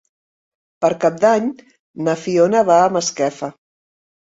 Per Cap d'Any na Fiona va a Masquefa.